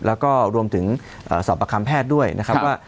แล้วก็รวมถึงสอบอักคัมแพทย์ด้วยนะครับ